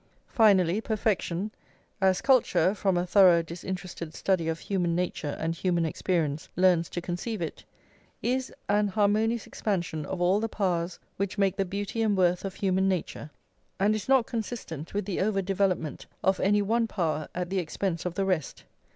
Finally, perfection, as culture, from a thorough disinterested study of human nature and human experience, learns to conceive it, is an harmonious expansion of all the powers which make the beauty and worth of human nature, and is not consistent with the over development of any one power at the expense of the rest.